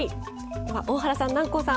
大原さん南光さん